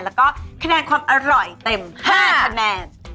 แล้วก็คะแนนความอร่อยเต็ม๕คะแนน